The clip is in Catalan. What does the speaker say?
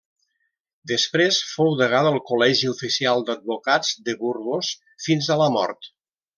Després fou degà del Col·legi Oficial d'Advocats de Burgos fins a la mort.